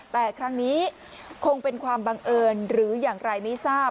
แต่ครั้งนี้คงเป็นความบังเอิญหรืออย่างไรไม่ทราบ